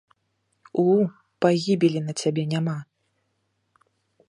У, пагібелі на цябе няма.